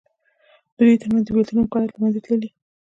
د دوی تر منځ د بېلتون امکانات له منځه تللي دي.